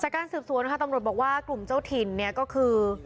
การสืบสวนค่ะตำรวจบอกว่ากลุ่มเจ้าถิ่นเนี่ยก็คือ